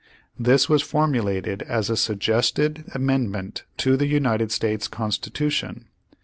This was formulated as a suggested amendment to the United States Constitution.